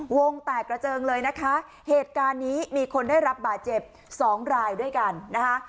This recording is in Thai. วงแตกกระเจิงเลยนะคะเหตุการณ์นี้มีคนได้รับบาดเจ็บสองรายด้วยกันนะคะ